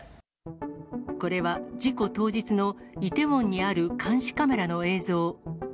これは事故当日のイテウォンにある監視カメラの映像。